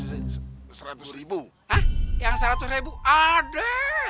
hah yang seratus ada